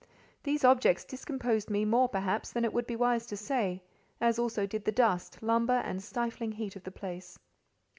These objects discomposed me more, perhaps, than it would be wise to say, as also did the dust, lumber, and stifling heat of the place.